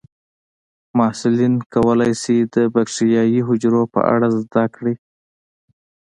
محصلین کولی شي د بکټریايي حجرو په اړه زده کړي.